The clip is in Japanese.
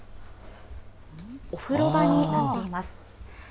お風呂場になっています。